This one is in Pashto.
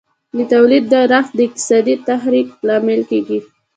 د تولید ډېرښت د اقتصادي تحرک لامل کیږي.